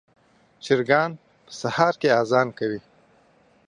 چرګان په سهار کې اذان کوي.